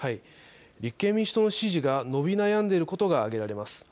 立憲民主党の支持が伸び悩んでいることが挙げられます。